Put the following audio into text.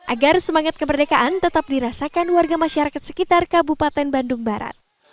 agar semangat kemerdekaan tetap dirasakan warga masyarakat sekitar kabupaten bandung barat